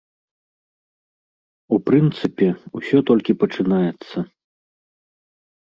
У прынцыпе, усё толькі пачынаецца.